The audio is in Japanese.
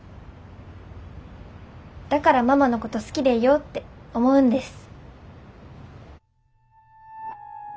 だからママのこと好きでいようって思うんです。